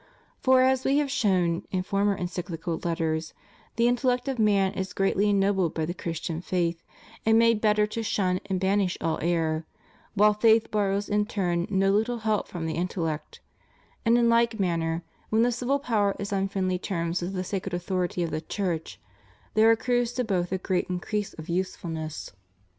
For, as We have shown in former Encyclical Letters, the in tellect of man is greatly ennobled by the Christian faith, and made better able to shun and banish all error, while faith borrows in turn no little help from the intellect; and in like manner, when the civil power is on friendly terms with the sacred authority of the Church, there accrues to both a great increase of usefulness.